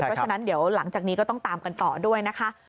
เพราะฉะนั้นเดี๋ยวหลังจากนี้ก็ต้องตามกันต่อด้วยนะคะ